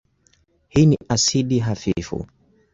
Hii ni asidi hafifu.